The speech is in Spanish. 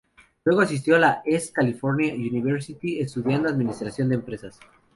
Luego asistió a la East Carolina University, estudiando administración de empresas.